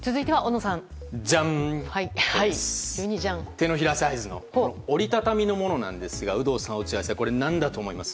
手のひらサイズの折り畳みのものなんですが有働さん、落合さんこれ何だと思います？